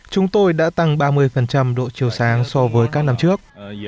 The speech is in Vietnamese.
chúng tôi đã tăng ba mươi độ chiều sáng so với các năm trước